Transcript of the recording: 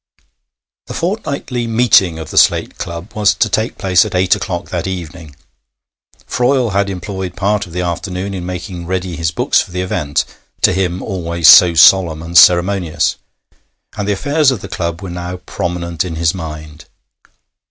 The fortnightly meeting of the Slate Club was to take place at eight o'clock that evening. Froyle had employed part of the afternoon in making ready his books for the event, to him always so solemn and ceremonious; and the affairs of the club were now prominent in his mind.